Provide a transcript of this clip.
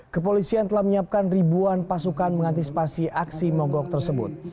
kepolisian telah menyiapkan ribuan pasukan mengantisipasi aksi mogok tersebut